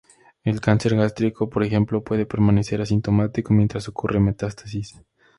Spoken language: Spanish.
El cáncer gástrico, por ejemplo, puede permanecer asintomático mientras ocurre metástasis.